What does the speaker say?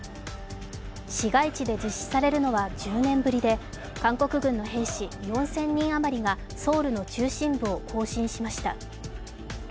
市街地で実施されるのは１０年ぶりで韓国軍の兵士４０００人あまりがソウルの中心部を行進しました。